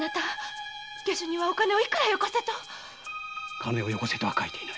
「金をよこせ」とは書いてない。